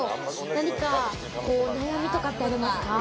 何か悩みとかってありますか？